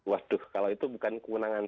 waduh kalau itu bukan kewenangan